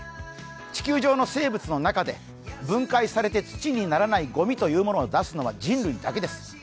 地球上の生物の中で分解されて土にならないゴミを出すのは人類だけです。